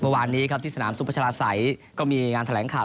วันนี้ครับที่สนามซุประชาษัยก็มีงานแถลงข่าว